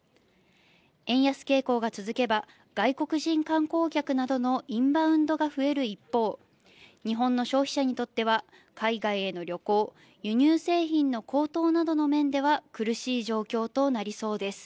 円安傾向が続けば、外国人観光客などのインバウンドが増える一方、日本の消費者にとっては、海外への旅行、輸入製品の高騰などの面では苦しい状況となりそうです。